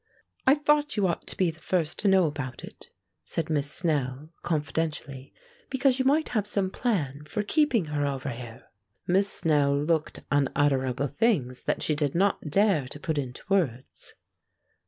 "I thought you ought to be the first to know about it," said Miss Snell, confidentially, "because you might have some plan for keeping her over here." Miss Snell looked unutterable things that she did not dare to put into words.